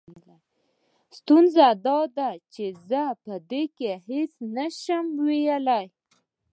ستونزه دا ده چې زه په دې کې هېڅ نه شم ويلې.